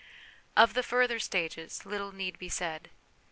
Of the further stages, little need be said.